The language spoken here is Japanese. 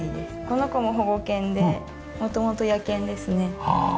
この子も保護犬で元々野犬ですね。